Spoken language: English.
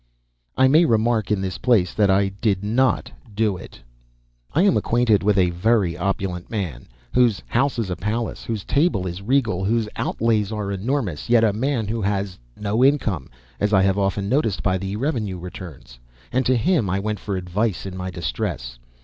[I may remark, in this place, that I did not do it.] I am acquainted with a very opulent man, whose house is a palace, whose table is regal, whose outlays are enormous, yet a man who has no income, as I have often noticed by the revenue returns; and to him I went for advice in my distress.